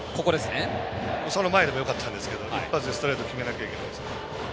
その前でもよかったんですけど一発でストレート決めなきゃいけなかった。